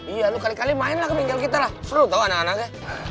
iya lo kali kali main lah ke bingkel kita lah seru tau anak anaknya